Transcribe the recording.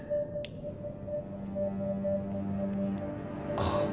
あっ！